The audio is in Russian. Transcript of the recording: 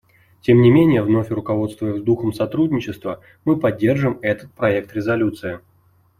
Тем не менее, вновь руководствуясь духом сотрудничества, мы поддержим этот проект резолюции.